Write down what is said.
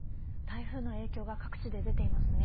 台風の影響が各地で出ていますね。